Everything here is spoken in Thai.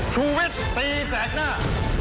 ชู่วิธิแสดหน้า